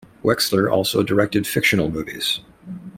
Wexler also directed fictional movies.